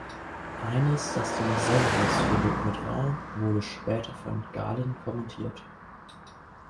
Eines, das einem "Severus" gewidmet war, wurde später von Galen kommentiert.